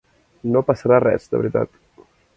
No passarà res, de veritat.